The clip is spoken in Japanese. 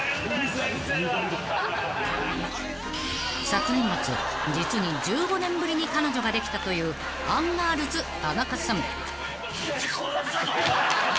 ［昨年末実に１５年ぶりに彼女ができたというアンガールズ田中さん］